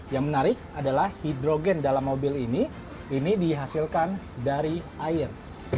yang menarik adalah hidrogen dalam mobil ini ini dihasilkan dari air